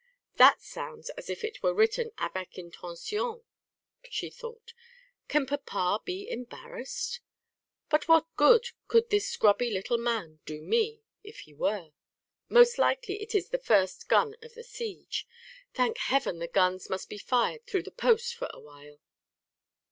"That sounds as if it were written avec intention," she thought. "Can papa be embarrassed? But what good could this scrubby little man do me, if he were? Most likely it is the first gun of the siege. Thank Heaven the guns must be fired through the post for a while."